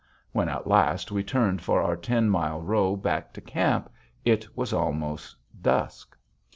When at last we turned for our ten mile row back to camp, it was almost dusk.